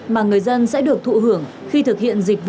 mà người dân sẽ được thụ hưởng khi thực hiện dịch vụ